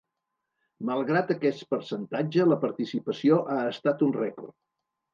Malgrat aquest percentatge, la participació ha estat un rècord.